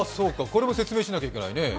これも説明しなきゃいけないね。